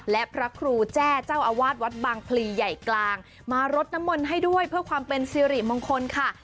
และพระครูแจ้เจ้าอาวาสวัดบางพลีใหญ่กลางมารดน้ำมนต์ให้ด้วยเพื่อความเป็นสิริมงคลค่ะ